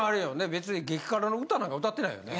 別に激辛の歌なんか歌ってないよね？